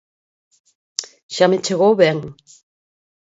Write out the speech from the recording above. Xa me chegou ben.